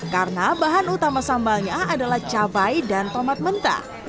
karena bahan utama sambalnya adalah cabai dan tomat mentah